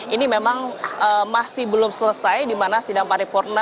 ini memang masih belum selesai di mana sidang paripurna